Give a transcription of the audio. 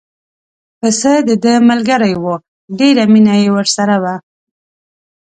پسه دده ملګری و ډېره مینه یې ورسره وه.